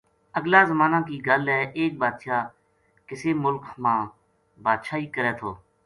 اگلا زمانا کی گل ہے ایک بادشاہ کسے ملخ ما بادشاہی کرے تھو